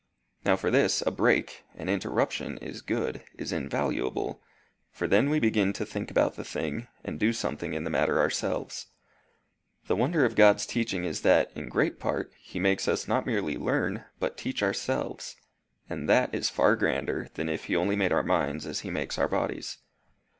Now for this, a break, an interruption is good, is invaluable, for then we begin to think about the thing, and do something in the matter ourselves. The wonder of God's teaching is that, in great part, he makes us not merely learn, but teach ourselves, and that is far grander than if he only made our minds as he makes our bodies."